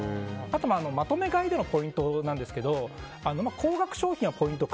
あとはまとめ買いでのポイントですけど高額商品はポイント